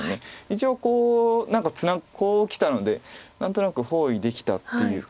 一応こう何かこうきたので何となく包囲できたっていう。